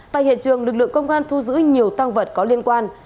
tại hiện trường lực lượng công an thu giữ nhiều tăng vật có liên quan